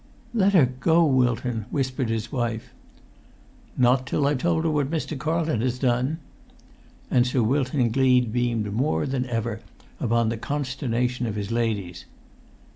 "Let her go, Wilton," whispered his wife. "Not till I've told her what Mr. Carlton has done!" And Sir Wilton Gleed beamed more than ever upon the consternation of his ladies.